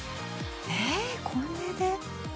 えぇこれで？